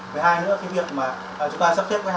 với hai nữa cái việc mà chúng ta sắp xếp cái hàng hóa